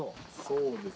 そうです。